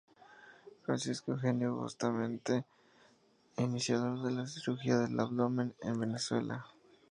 Francisco Eugenio Bustamante, iniciador de la cirugía de abdomen en Venezuela.